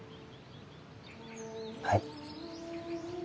はい。